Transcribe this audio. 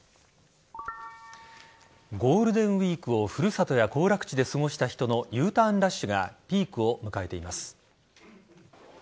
ゴールデンウイークを古里や行楽地で過ごした人のＵターンラッシュがピークを迎えています。